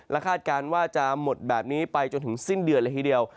คาดการณ์ว่าจะหมดแบบนี้ไปจนถึงสิ้นเดือนเลยทีเดียว